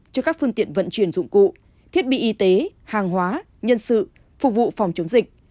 cho các phương tiện vận chuyển dụng cụ thiết bị y tế hàng hóa nhân sự phục vụ phòng chống dịch